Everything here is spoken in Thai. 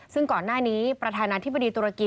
ซึ่งก่อนหน้านี้ประธานาธิบดีตุรกี